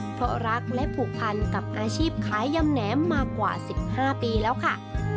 เพราะรักและผูกพันกับอาชีพขายยำแหนมมากว่า๑๕ปีแล้วค่ะ